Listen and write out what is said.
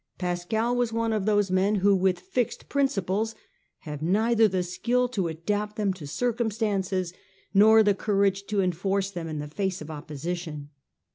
Pascal was one of those men who, with fixed principles, have neither the skill to adapt them to circumstances, nor the courage to enforce them in the face of opposition.